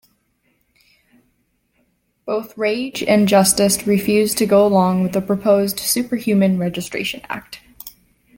Both Rage and Justice refused to go along with the proposed super-human registration act.